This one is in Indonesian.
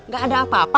gak ada apa apa